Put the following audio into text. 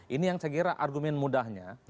ini yang saya kira argumen mudahnya